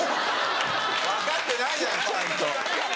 分かってないちゃんと。